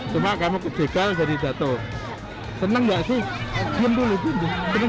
tapi sekarang jah jarang